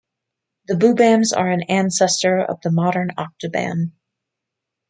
The boobams are an ancestor of the modern octoban.